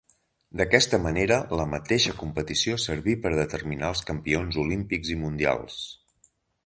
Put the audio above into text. D'aquesta manera la mateixa competició serví per determinar els campions olímpics i mundials.